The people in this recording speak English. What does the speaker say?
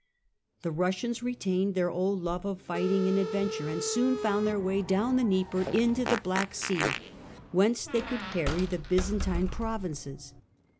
The Russians retained their old love of fighting and adventure, and soon found their way down the Dnieper into the Black Sea, whence they could harry the Byzantine provinces.